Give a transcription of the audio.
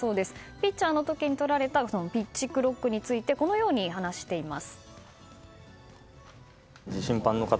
ピッチャーの時にとられたピッチクロックについてこのように話しています。